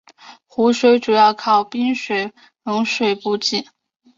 湖水主要靠冰雪融水补给。